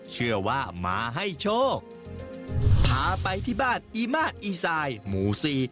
เชื่อว่ามาให้โชคพาไปที่บ้านอีมาสอีทรายหมู่สี่